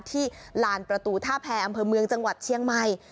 ลานประตูท่าแพรอำเภอเมืองจังหวัดเชียงใหม่